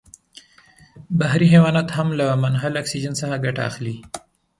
بحري حیوانات هم له منحل اکسیجن څخه ګټه اخلي.